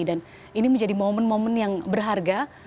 dan ini menjadi momen momen yang berharga